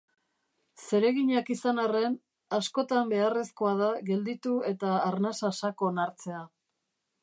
Zereginak izan arren, askotan beharrezkoa da gelditu eta arnasa sakon hartzea.